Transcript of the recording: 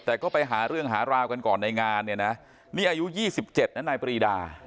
แต่ก็ไปหาเรื่องหาราวกันก่อนในงานเนี่ยนะนี่อายุ๒๗นะนายปรีดา